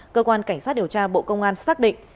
cơ quan cảnh sát điều tra bộ công an xác định